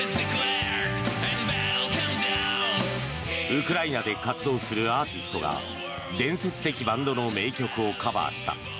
ウクライナで活動するアーティストが伝説的バンドの名曲をカバーした。